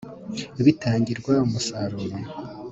bitangirwa umusoro